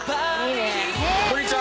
こんにちは。